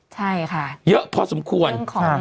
ใช่ค่ะเยอะพอสมควร